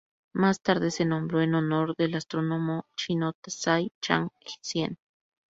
Más tarde se nombró en honor del astrónomo chino Tsai Chang-hsien.